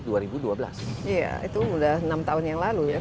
iya itu udah enam tahun yang lalu ya tujuh tahun yang lalu